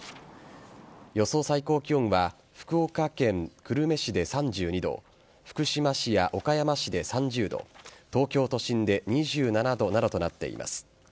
最高気温は福岡県久留米市で３２度福島市や岡山市で３０度東京都心で２７度などとなっています。